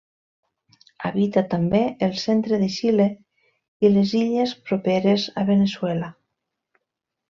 Habita també el centre de Xile i les illes properes a Veneçuela.